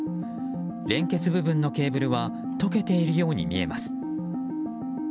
連結部分のケーブルは溶けているように見えます。